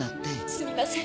すみません